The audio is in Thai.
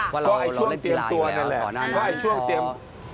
ค่ะก็ช่วงเตรียมตัวนั่นแหละใช่ช่วงเตรียม